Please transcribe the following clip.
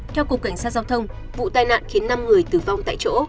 theo cục cảnh sát giao thông vụ tai nạn khiến năm người tử vong tại chỗ